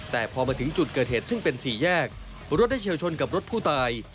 แต่พอมาถึงจุดเกิดเหตุซึ่งเป็นสี่แยกรถได้เฉียวชนกับรถผู้ตาย